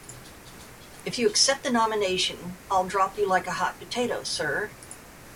If you accept the nomination, I’ll drop you like a hot potato, sir!